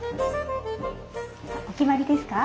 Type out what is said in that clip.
お決まりですか？